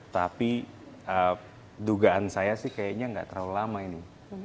tapi dugaan saya sih kayaknya nggak terlalu lama ini